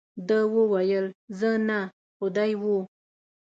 ده وویل، زه نه، خو دی وو.